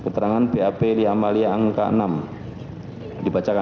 keterangan bap lia amalia angka enam